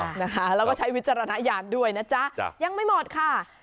แล้วก็ใช้วิจารณญาณด้วยนะจ๊ะยังไม่หมดค่ะ